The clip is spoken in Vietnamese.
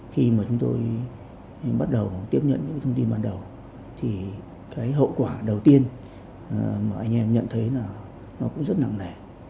khi mà chúng tôi bắt đầu tiếp nhận những thông tin ban đầu thì cái hậu quả đầu tiên mà anh em nhận thấy là nó cũng rất nặng nề